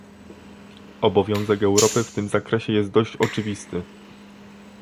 Obowiązek Europy w tym zakresie jest dość oczywisty